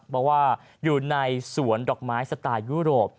บอกว่าอยู่ในสวนดอกไม้สไตล์ยุโรป